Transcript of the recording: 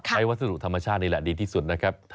วัสดุธรรมชาตินี่แหละดีที่สุดนะครับ